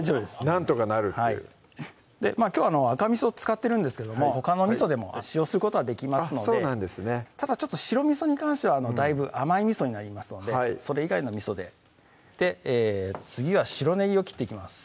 なんとかなるっていうきょう赤みそを使ってるんですけどもほかのみそでも使用することはできますのでただちょっと白みそに関してはだいぶ甘いみそになりますのでそれ以外のみそで次は白ねぎを切っていきます